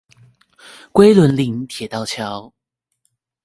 龜崙嶺鐵道橋